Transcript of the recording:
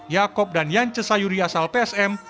yaakob dan yance sayuri asal psm